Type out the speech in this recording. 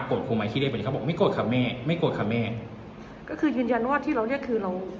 ครูไหมที่เรียกไปเลยเขาบอกไม่โกรธค่ะแม่ไม่โกรธค่ะแม่ก็คือยืนยันว่าที่เราเรียกคือเรา